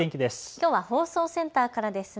きょうは放送センターからですね。